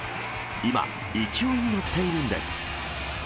今、勢いに乗っているんです。